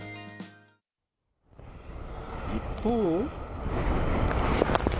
一方。